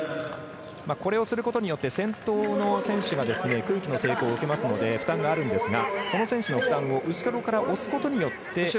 これをすることによって先頭の選手が空気の抵抗を受けますので負担があるんですがその選手の負担を後ろから押すことによって。